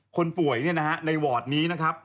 คนป่วยนี่นะคะในวอร์ดนี้นะครับ